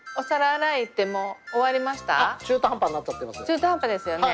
中途半端ですよね。